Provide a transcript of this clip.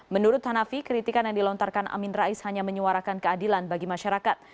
menurut hanafi kritikan yang dilontarkan amin rais hanya menyuarakan keadilan bagi masyarakat